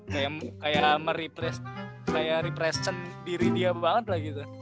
kayak merepresen diri dia banget lah gitu